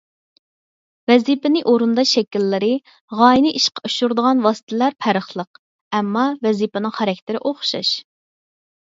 ۋەزىپىنى ئورۇنداش شەكىللىرى، غايىنى ئىشقا ئاشۇرىدىغان ۋاسىتىلەر پەرقلىق، ئەمما ۋەزىپىنىڭ خاراكتېرى ئوخشاش.